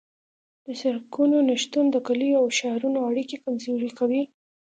د سرکونو نشتون د کلیو او ښارونو اړیکې کمزورې کوي